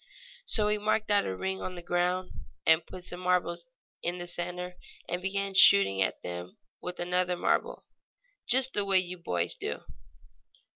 So he marked out a ring on the ground, and putting some marbles in the center began shooting at them with another marble, just the way you boys do.